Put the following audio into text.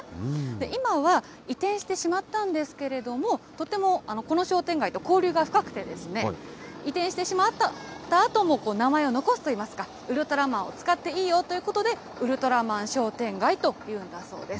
今は移転してしまったんですけれども、とてもこの商店街と交流が深くて、移転してしまったあとも、名前を残すといいますか、ウルトラマンを使っていいよということで、ウルトラマン商店街というんだそうです。